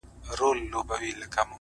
قلم د زلفو يې د هر چا زنده گي ورانوي’